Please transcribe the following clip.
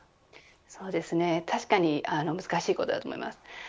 そうですね、確かに難しいことだと思います。